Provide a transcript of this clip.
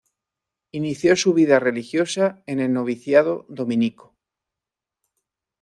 Inicio su vida religiosa en el noviciado dominico.